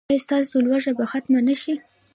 ایا ستاسو لوږه به ختمه نه شي؟